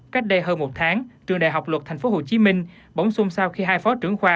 cách đây hơn một tháng trường đại học luật tp hcm bổng sung sau khi hai phó trưởng khoa